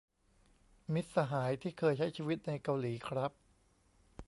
มิตรสหายที่เคยใช้ชีวิตในเกาหลีครับ